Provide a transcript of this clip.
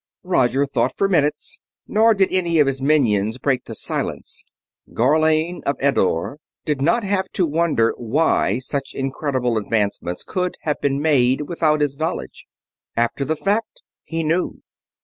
Roger thought for minutes, nor did any one of his minions break the silence. Gharlane of Eddore did not have to wonder why such incredible advancement could have been made without his knowledge: after the fact, he knew.